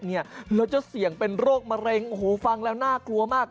แล้วจะเสี่ยงเป็นโรคมะเร็งโอ้โหฟังแล้วน่ากลัวมาก